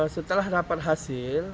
setelah dapat hasil